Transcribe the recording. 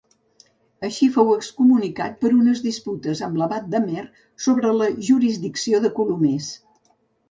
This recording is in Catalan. Així fou excomunicat per unes disputes amb l'abat d'Amer sobre la jurisdicció de Colomers.